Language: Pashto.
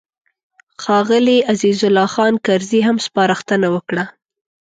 ښاغلي عزیز الله خان کرزي هم سپارښتنه وکړه.